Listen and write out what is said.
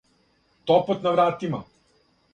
Топот на вратима.